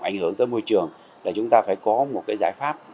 ảnh hưởng tới môi trường là chúng ta phải có một cái giải pháp